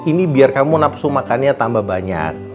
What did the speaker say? ini biar kamu nafsu makannya tambah banyak